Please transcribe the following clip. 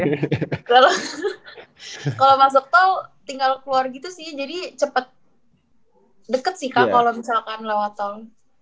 kalau masuk tol tinggal keluar gitu sih jadi cepet sih kak kalau misalkan lewat tol